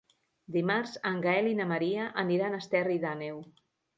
Dimarts en Gaël i na Maria aniran a Esterri d'Àneu.